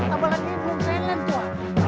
kita balikin mau jalan tuan